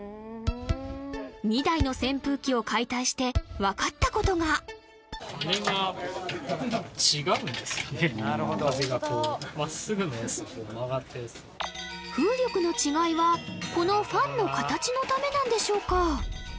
２台の扇風機を解体して分かったことが風がこうまっすぐのやつと曲がったやつ風力の違いはこのファンの形のためなんでしょうか？